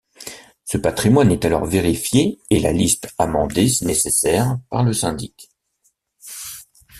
Ce patrimoine est alors vérifié et la liste amendée si nécessaire par le syndic.